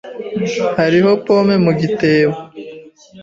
Hariho pome mu gitebo.